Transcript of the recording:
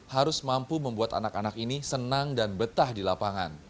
harus mampu membuat anak anak ini senang dan betah di lapangan